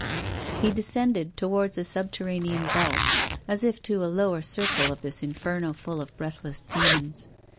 He descended towards a subterranean vault: as if to a lower circle of this inferno full of breath less (lemons.